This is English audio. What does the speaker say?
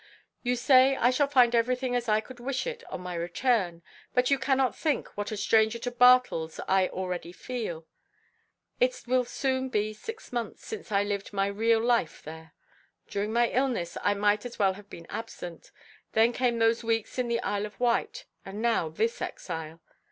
You say I shall find everything as I could wish it on my return, but you cannot think what a stranger to Bartles I already feel. It will soon be six months since I lived my real life there; during my illness I might as well have been absent, then came those weeks in the Isle of Wight, and now this exile.